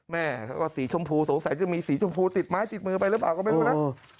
แม่ก็สีชมพูสงสัยจะมีสีชมพูติดไม้ติดมือไปหรือเปล่าก็ไม่รู้นะ